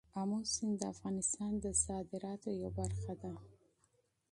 آمو سیند د افغانستان د صادراتو یوه برخه ده.